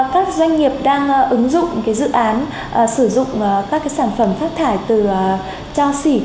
các doanh nghiệp đang ứng dụng dự án sử dụng các sản phẩm phát thải từ cho xỉ